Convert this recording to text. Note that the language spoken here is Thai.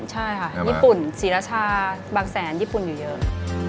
ใช่ค่ะญี่ปุ่นศรีรชาบางแสนญี่ปุ่นอยู่เยอะ